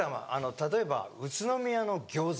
例えば宇都宮の餃子。